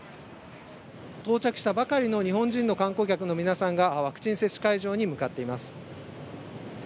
到着したばかりの日本人の観光客の皆さんがワクチン接種会場に向かっています。